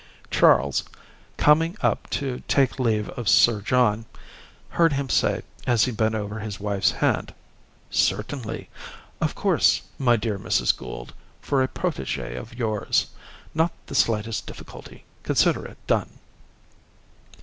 Charles, coming up to take leave of Sir John, heard him say, as he bent over his wife's hand, "Certainly. Of course, my dear Mrs. Gould, for a protege of yours! Not the slightest difficulty. Consider it done."